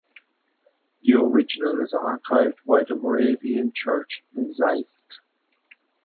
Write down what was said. The original is archived by the Moravian Church in Zeist.